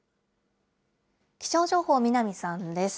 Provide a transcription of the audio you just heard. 気象情報、南さんです。